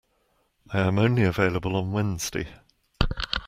I am only available on Wednesday.